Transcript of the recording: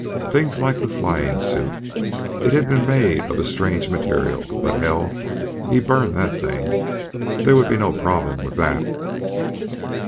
Things like the flying suit; it had been made of strange material; but hell, he'd burned that thing. There would be no problem with that.